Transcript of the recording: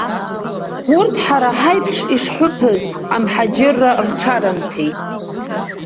Урҭ ҳара ҳаиԥш ишҳәыԥыз амҳаџьырра рҽарымҭеит.